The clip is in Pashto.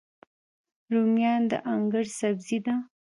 رومیان د انګړ سبزي ده